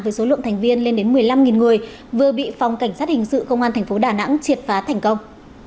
với số lượng thành viên lên đến một mươi năm người vừa bị phòng cảnh sát hình sự công an thành phố đà nẵng triệt phá thành công